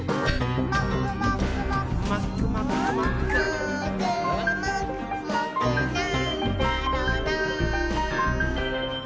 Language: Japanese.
「もーくもくもくなんだろなぁ」